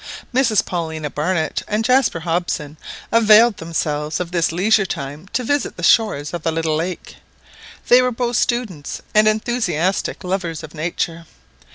Mrs Paulina Barnett and Jaspar Hobson availed themselves of this leisure time to visit the shores of the little lake. They were both students and enthusiastic lovers of nature.